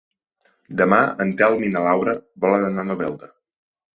Demà en Telm i na Laura volen anar a Novelda.